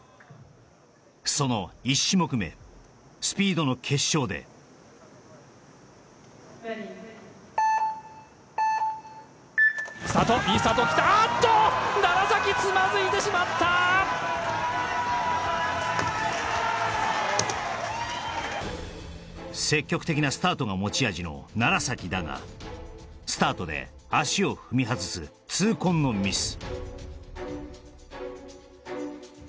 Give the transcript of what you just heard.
その１種目目スピードの決勝でＲｅａｄｙいいスタートをきったあっと楢つまずいてしまった積極的なスタートが持ち味の楢だがスタートで足を踏み外す痛恨のミス